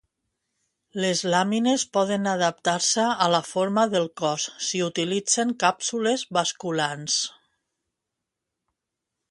Les làmines poden adaptar-se a la forma del cos si utilitzen càpsules basculants.